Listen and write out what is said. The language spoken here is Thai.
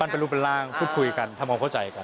เป็นรูปเป็นร่างพูดคุยกันทำความเข้าใจกัน